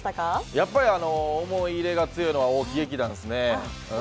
やっぱり思い入れが強いのは大木劇団ですね。